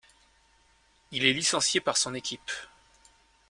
Il est licencié par son équipe.